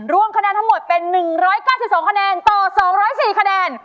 รวมคะแนนทั้งหมดเป็นหนึ่งร้อยเก้าสิบสองคะแนนต่อสองร้อยสี่คะแนน